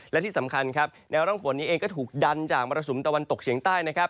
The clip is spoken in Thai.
และที่สำคัญครับแนวร่องฝนนี้เองก็ถูกดันจากมรสุมตะวันตกเฉียงใต้นะครับ